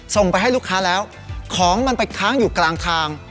ส่งไปให้ลูกค้าแล้วของมันไปค้างอยู่กลางทาง